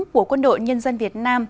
của quân đội nhân dân việt nam